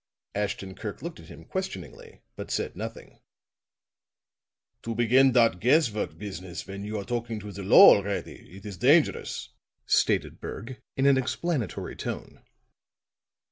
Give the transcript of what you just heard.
Ashton Kirk looked at him questioningly, but said nothing. "To begin dot guess work business when you are talking to the law already, it is dangerous," stated Berg in an explanatory tone.